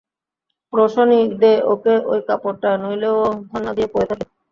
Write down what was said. রোশনি, দে ওকে ঐ কাপড়টা, নইলে ও ধন্না দিয়ে পড়ে থাকবে।